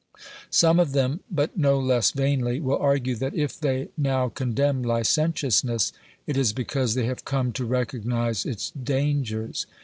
Some of them, but no less vainly, will argue that if they now condemn licentiousness it is because they have come to recognise its dangers.